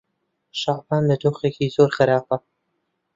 شەعبان لە دۆخێکی زۆر خراپە.